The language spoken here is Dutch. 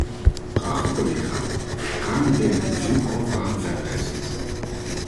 Geachte collega, gaarne breng ik uw verzoek over aan de veiligheidsdienst.